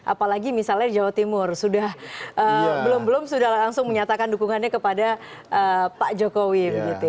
apalagi misalnya jawa timur belum belum sudah langsung menyatakan dukungannya kepada pak jokowi